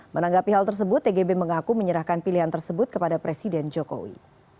menanggapi hal tersebut tgb mengaku menyerahkan pilihan tersebut kepada presiden jokowi